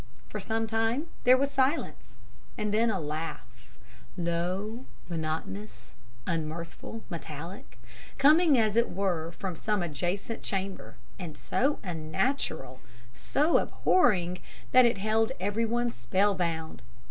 For some time there was silence; and then a laugh low, monotonous, unmirthful, metallic coming as it were from some adjacent chamber, and so unnatural, so abhorring, that it held everyone spell bound.